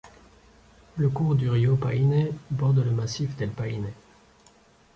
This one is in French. Le cours du río Paine borde le massif del Paine.